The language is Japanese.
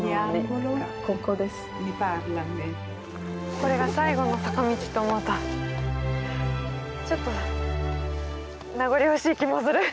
これが最後の坂道と思うとちょっと名残惜しい気もする。